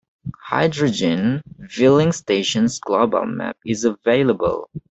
Hydrogen Filling Stations global map is available.